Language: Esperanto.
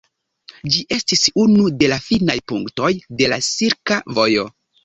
Ĝi estis unu de la finaj punktoj de la silka vojo.